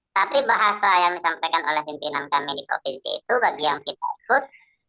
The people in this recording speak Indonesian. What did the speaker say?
tapi bahasa yang disampaikan oleh pimpinan kami di provinsi itu bagi yang kita ikut